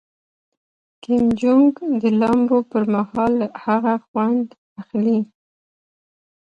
کیم جونګ د لامبو پر مهال له هغه خوند اخلي.